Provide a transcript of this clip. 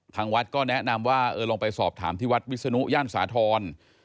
ทางวัดก็แนะนำว่าเออลองไปสอบถามที่วัดวิศนุย่านสาธรณ์